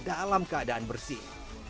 dalam keadaan bersih